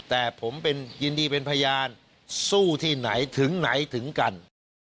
แต่ผมเป็นยินดีเป็นพยานสู้ที่ไหนถึงไหนถึงกัน